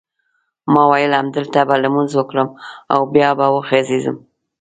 ما وېل همدلته به لمونځ وکړم او بیا به وغځېږم.